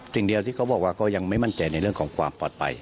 สิ่งเดียวที่เขาบอกว่าก็ยังไม่มั่นใจในเรื่องของความปลอดภัย